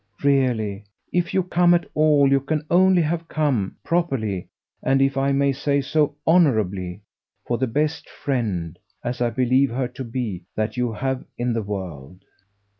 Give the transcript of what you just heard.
Really, if you've come at all, you can only have come properly, and if I may say so honourably for the best friend, as I believe her to be, that you have in the world."